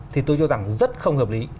thì tôi cho rằng rất không hợp lý